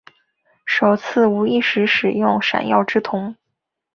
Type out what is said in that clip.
首次无意识使用闪耀之瞳。